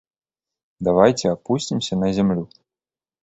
Давайце апусцімся на зямлю.